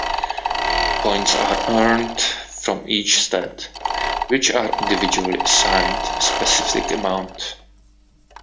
Points are earned from each stat, which are individually assigned a specific amount.